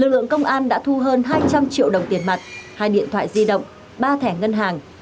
lực lượng công an đã thu hơn hai trăm linh triệu đồng tiền mặt hai điện thoại di động ba thẻ ngân hàng